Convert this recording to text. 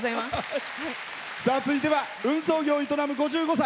続いては運送業を営む５３歳。